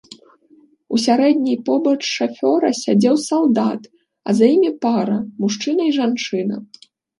У сярэдняй побач шафёра сядзеў салдат, а за імі пара, мужчына і жанчына.